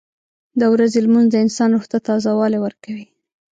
• د ورځې لمونځ د انسان روح ته تازهوالی ورکوي.